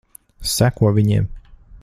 Seko viņiem.